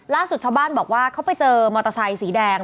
ชาวบ้านบอกว่าเขาไปเจอมอเตอร์ไซค์สีแดง